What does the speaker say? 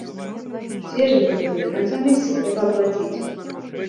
Свежанькую, да канца месяца трэба аплаціць.